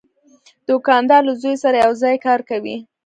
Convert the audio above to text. دوکاندار له زوی سره یو ځای کار کوي.